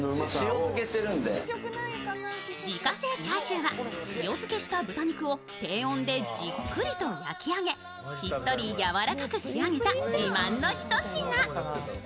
自家製チャーシューは塩漬けした豚肉を低温でじっくりと焼き上げしっとりやわらかく仕上げた自慢のひと品。